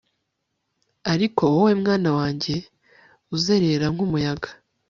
ariko wowe, mwana wanjye! uzerera nk'umuyaga